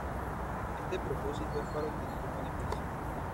Este propósito es para obtener un beneficio.